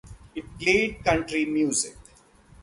It played country music.